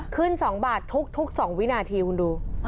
๒บาททุก๒วินาทีคุณดู